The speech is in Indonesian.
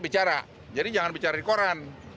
bicara jadi jangan bicara di koran